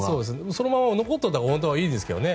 そのまま残っていたほうが本当はいいですけどね。